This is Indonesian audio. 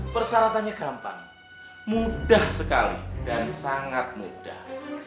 persyaratannya gampang mudah sekali dan sangat mudah